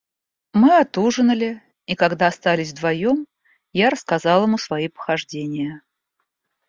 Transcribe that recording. Мы отужинали, и, когда остались вдвоем, я рассказал ему свои похождения.